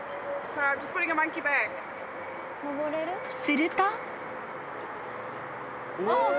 ［すると］